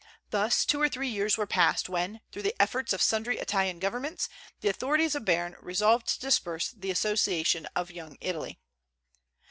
Thus two or three years were passed, when, through the efforts of sundry Italian governments, the authorities of Berne resolved to disperse the Association of Young Italy.